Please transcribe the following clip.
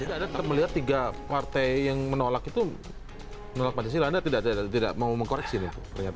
ada ketemu lihat tiga partai yang menolak itu menolak pancasila anda tidak mau mengkoreksi itu